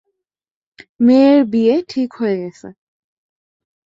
মেয়ের বিয়ে ঠিক হয়ে গেছে।